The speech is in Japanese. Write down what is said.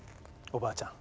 おばあちゃん？